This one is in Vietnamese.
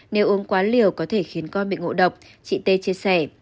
nếu uống quá liều có thể khiến con bị ngộ độc chị tê chia sẻ